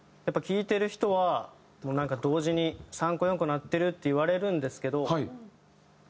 やっぱり聴いてる人はなんか同時に３個４個鳴ってるって言われるんですけど。